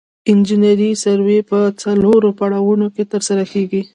انجنیري سروې په څلورو پړاوونو کې ترسره کیږي